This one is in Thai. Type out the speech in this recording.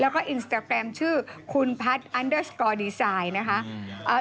แล้วก็อินสตาแกรมชื่อคุณพัฒน์อันเดอร์สกอร์ดีไซน์นะคะ